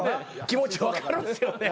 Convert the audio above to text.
気持ち分かるんすよね。